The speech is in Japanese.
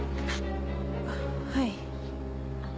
はい。